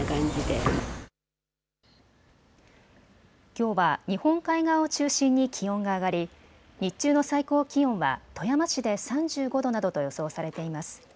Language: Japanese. きょうは日本海側を中心に気温が上がり日中の最高気温は富山市で３５度などと予想されています。